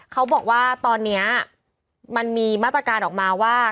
เขาบอกว่าตอนนี้มันมีมาตรการออกมาว่า